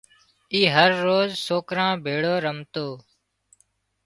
اي هروز سوڪران ڀيۯو رمتو